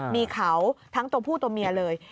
มีเขาทั้งตัวผู้ตัวเมียเลย